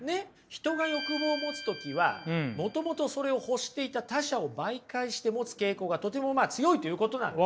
人が欲望を持つ時はもともとそれを欲していた他者を媒介して持つ傾向がとても強いということなんです。